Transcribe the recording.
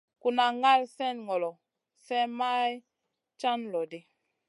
Kuna ŋal slèh ŋolo, slèh may can loɗi.